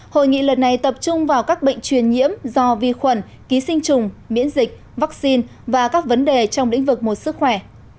hội nghị lần này tập trung vào các bệnh truyền nhiễm do vi khuẩn ký sinh trùng miễn dịch vaccine và các vấn đề trong lĩnh vực một sức khỏe